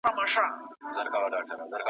چي دي کرلي درته رسیږي .